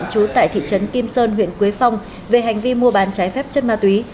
trú tại thị trấn kim sơn huyện quế phong về hành vi mua bán trái phép chất ma túy